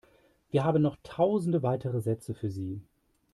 Wir haben noch tausende weitere Sätze für Sie.